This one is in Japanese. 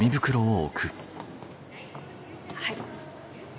はい。